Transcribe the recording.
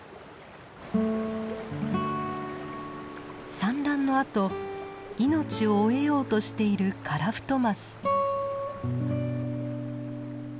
産卵のあと命を終えようとしているカラフトマス。